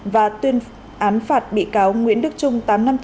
và tuyên án phạt bị cáo nguyễn đức trung tám mươi năm